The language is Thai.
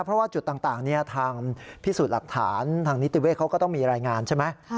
เพราะว่าจุดต่างทางพิสูจน์หลักฐานทางนิติเวศเขาก็ต้องมีรายงานใช่ไหม